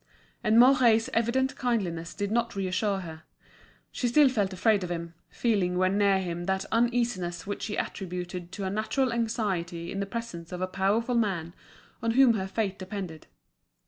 And Mouret's evident kindliness did not reassure her; she still felt afraid of him, feeling when near him that uneasiness which she attributed to a natural anxiety in the presence of a powerful man on whom her fate depended.